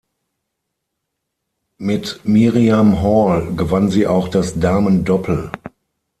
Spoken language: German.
Mit Miriam Hall gewann sie auch das Damendoppel.